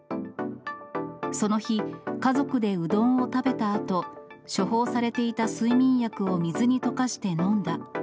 その日、家族でうどんを食べたあと、処方されていた睡眠薬を水に溶かして飲んだ。